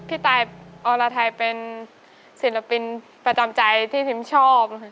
ตายอรไทยเป็นศิลปินประจำใจที่พิมชอบ